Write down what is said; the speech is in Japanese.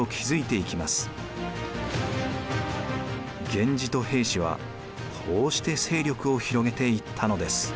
源氏と平氏はこうして勢力を広げていったのです。